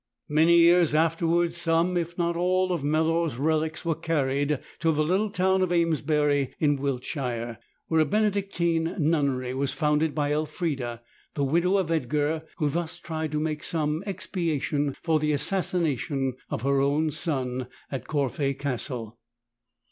Many years afterwards some, if not all, of Melor's relics were carried to the little town of Amesbury in Wiltshire, where a Benedictine nunnery was founded by Elfrida, the widow of Edgar, who thus tried to make some expiation for the assassination of her own son at Corfe Castle.